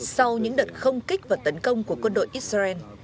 sau những đợt không kích và tấn công của quân đội israel